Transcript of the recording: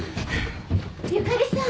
ゆかりさん。